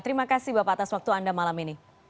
terima kasih bapak atas waktu anda malam ini